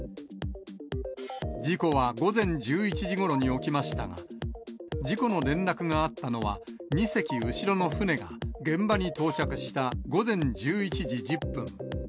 事故は午前１１時ごろに起きましたが、事故の連絡があったのは、２隻後ろの船が現場に到着した午前１１時１０分。